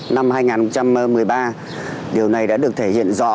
năm hai nghìn một mươi ba điều này đã được thể hiện rõ